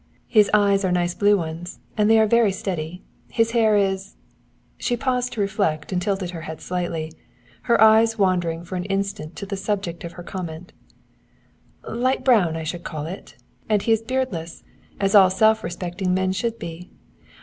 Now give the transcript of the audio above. His eyes are nice blue ones, and they are very steady. His hair is" she paused to reflect and tilted her head slightly, her eyes wandering for an instant to the subject of her comment "light brown, I should call it. And he is beardless, as all self respecting men should be.